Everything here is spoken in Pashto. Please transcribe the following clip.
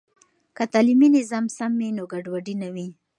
که تعلیمي نظام سم وي، نو ګډوډي نه وي.